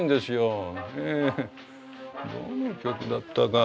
どの曲だったか？